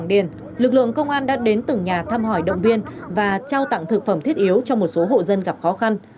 đã đến từng nhà thăm hỏi động viên và trao tặng thực phẩm thiết yếu cho một số hộ dân gặp khó khăn